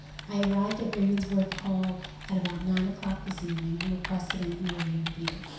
I arrived at Ravensworth Hall at about nine o'clock this evening, and requested an interview with you.